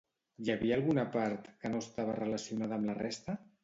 Hi havia alguna part que no estava relacionada amb la resta?